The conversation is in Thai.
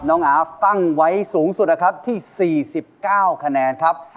อาฟตั้งไว้สูงสุดนะครับที่๔๙คะแนนครับ